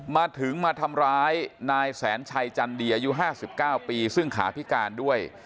มาถึงมาทำร้ายนายแสนชัยจันดีอายุ๕๙ปีซึ่งขาพิการด้วย